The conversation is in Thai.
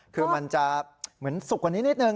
คือมันจะเหมือนสุกกว่านี้นิดนึง